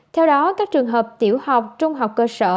theo đó các trường hợp tiểu học trung học cơ sở